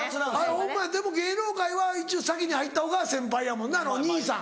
ホンマやでも芸能界は一応先に入ったほうが先輩やもんな兄さん。